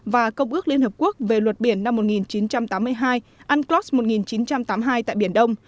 và công ước liên hợp quốc về luật biển năm một nghìn chín trăm tám mươi hai unclos một nghìn chín trăm tám mươi hai tại biển đông